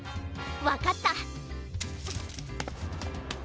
わかった。